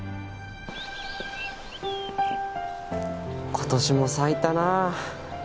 今年も咲いたな。